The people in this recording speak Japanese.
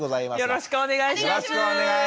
よろしくお願いします。